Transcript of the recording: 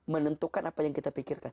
menentukan apa yang kita pikirkan